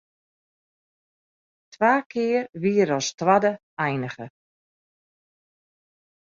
Twa kear wie er al as twadde einige.